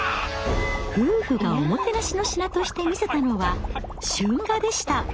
夫婦がおもてなしの品として見せたのは春画でした。